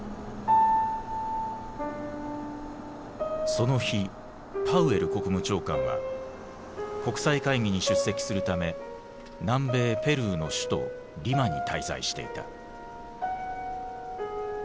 その日パウエル国務長官は国際会議に出席するため南米ペルーの首都リマに滞在していた。